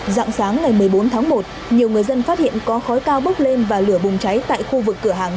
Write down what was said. dạng sáng ngày một mươi bốn tháng một nhiều người dân phát hiện có khói cao bốc lên và lửa bùng cháy tại khu vực cửa hàng